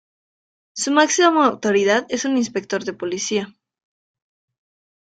Su máxima autoridad es un inspector de policía.